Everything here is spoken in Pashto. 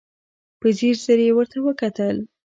په ځير ځير يې ورته وکتل.